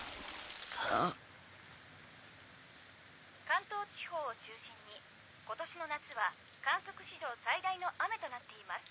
「関東地方を中心に今年の夏は観測史上最大の雨となっています」